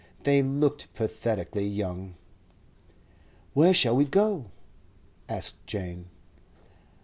They looked pathetically young. "Where shall we go?" asked Jane.